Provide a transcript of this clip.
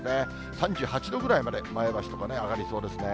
３８度ぐらいまで、前橋とかね、上がりそうですね。